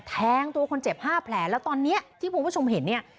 แทงตัวคนเจ็บ๕แผลแล้วตอนนี้ที่คุณผู้ชมเห็นเนี่ย